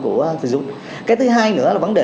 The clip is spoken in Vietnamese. của tây dũng cái thứ hai nữa là vấn đề